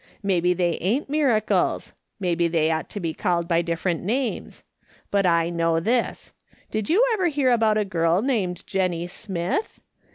Maybe they ain't miracles ; maybe they ought to be called by different names. But I know this : Did you ever hear about a girl named Jennie Smith